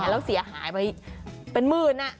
แล้วเสียหายไปเป็นหมื่น